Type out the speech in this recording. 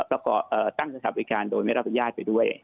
แล้วก็ตั้งสถานบริการโดยไม่รับอนุญาตไปด้วย